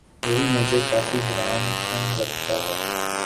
وہ بھی مجھے کافی حیران کن لگتا ہے۔